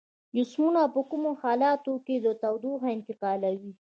جسمونه په کومو حالتونو کې تودوخه انتقالوي؟